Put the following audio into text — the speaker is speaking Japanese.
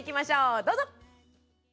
どうぞ！